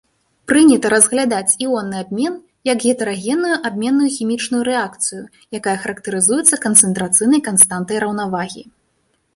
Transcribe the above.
Прынята разглядаць іонны абмен як гетэрагенную абменную хімічную рэакцыю, якая характарызуецца канцэнтрацыйнай канстантай раўнавагі.